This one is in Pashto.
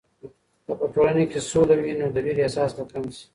که په ټولنه کې سوله وي، نو د ویر احساس به کم شي.